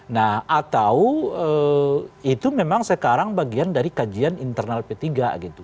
nah atau itu memang sekarang bagian dari kajian internal p tiga gitu